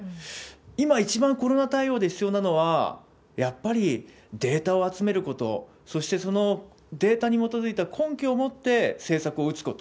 今一番コロナ対応で必要なのは、やっぱりデータを集めること、そしてそのデータに基づいた根拠を持って政策を打つこと。